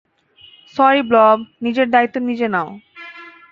Sorry, ব্লব, নিজের দায়িত্ব নিজে নাও।